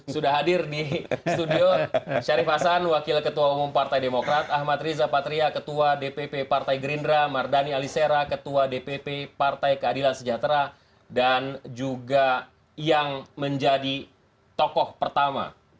sudah hadir di studio syarif hasan wakil ketua umum partai demokrat ahmad riza patria ketua dpp partai gerindra mardhani alisera ketua dpp partai keadilan sejahtera dan juga yang menjadi tokoh pertama